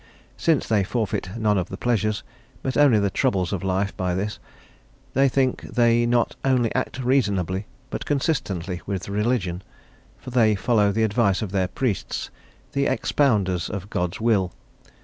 Since they forfeit none of the pleasures, but only the troubles of life by this, they think they not only act reasonably, but consistently with religion; for they follow the advice of their priests, the expounders of God's will.